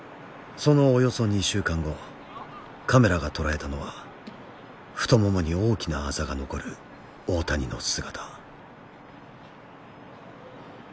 そのおよそ２週間後カメラが捉えたのは太ももに大きなアザが残る大谷の姿。